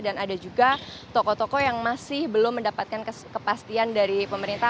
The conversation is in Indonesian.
dan ada juga toko toko yang masih belum mendapatkan kepastian dari pemerintah